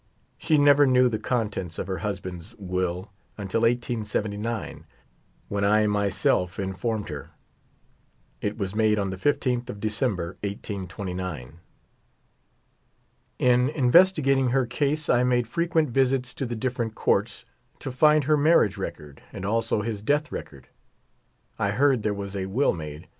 She never knew the contents of her husband's will until 1879, when I myself informed her. It was made on the 15th of December, 1829. In investigating her case I made frequent visits to the different courts, to find her marriage record and also his death record. I heard there was a will made.